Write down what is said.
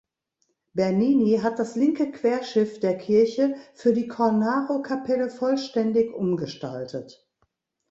Bernini hat das linke Querschiff der Kirche für die Cornaro-Kapelle vollständig umgestaltet.